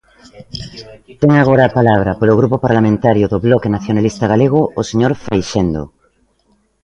Ten agora a palabra, polo Grupo Parlamentario do Bloque Nacionalista Galego, o señor Freixendo.